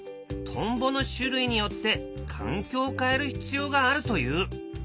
トンボの種類によって環境を変える必要があるという。